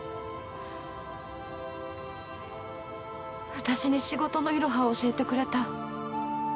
私に仕事のイロハを教えてくれた。